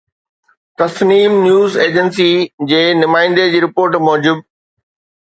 Tasneem news agency جي نمائندي جي رپورٽ موجب.